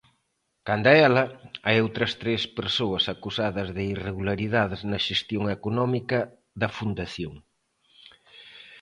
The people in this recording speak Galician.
Canda ela, hai outras tres persoas acusadas de irregularidades na xestión económica da Fundación.